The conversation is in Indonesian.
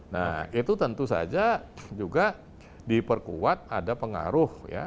nah itu tentu saja juga diperkuat ada pengaruh ya